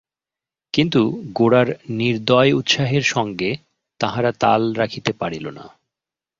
কিন্তু গোরার নির্দয় উৎসাহের সঙ্গে তাহারা তাল রাখিতে পারিল না।